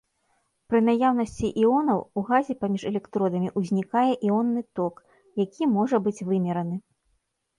Пры наяўнасці іонаў у газе паміж электродамі ўзнікае іонны ток, які можа быць вымераны.